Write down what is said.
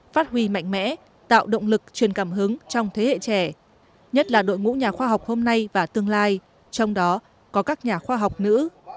phát huy mạnh mẽ tạo động lực truyền cảm hứng trong thế hệ trẻ nhất là đội ngũ nhà khoa học hôm nay và tương lai trong đó có các nhà khoa học nữ